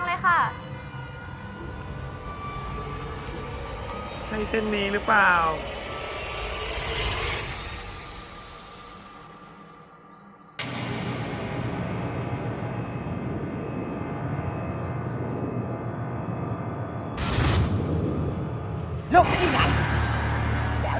พี่ป๋องครับผมเคยไปที่บ้านผีคลั่งมาแล้ว